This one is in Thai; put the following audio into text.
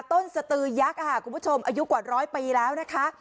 สตือยักษ์ค่ะคุณผู้ชมอายุกว่าร้อยปีแล้วนะคะ